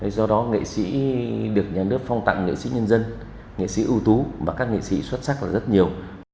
do đó nghệ sĩ được nhà nước phong tặng nghệ sĩ nhân dân nghệ sĩ ưu tú và các nghệ sĩ xuất sắc rất nhiều